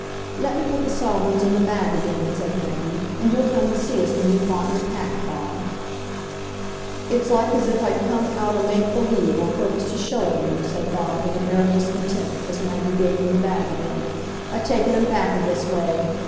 "Let me put the sovereigns in the bag again," said Maggie; "and you'll come and see us when you've bought your pack, Bob." "It's like as if I'd come out o' make believe, o' purpose to show 'em you," said Bob, with an air of discontent, as Maggie gave him the bag again, "a taking 'em back i' this way.